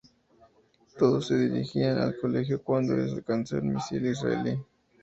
Todos se dirigían al colegio cuando les alcanzó el misil israelí.